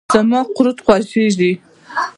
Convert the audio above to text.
زما قورت خوشیزی.